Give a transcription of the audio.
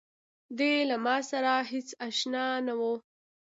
دی له ماسره هېڅ آشنا نه و.